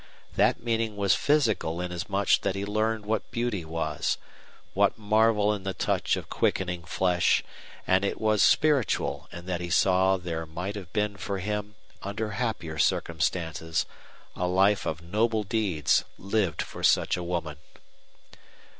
That meaning was physical inasmuch that he learned what beauty was, what marvel in the touch of quickening flesh; and it was spiritual in that he saw there might have been for him, under happier circumstances, a life of noble deeds lived for such a woman.